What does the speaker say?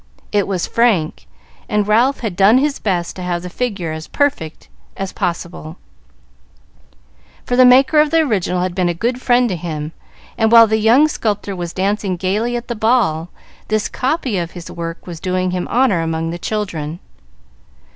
It was Frank, and Ralph had done his best to have the figure as perfect as possible, for the maker of the original had been a good friend to him; and, while the young sculptor was dancing gayly at the ball, this copy of his work was doing him honor among the children.